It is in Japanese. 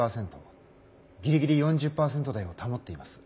ギリギリ４０％台を保っています。